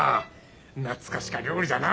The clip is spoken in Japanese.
懐かしか料理じゃな。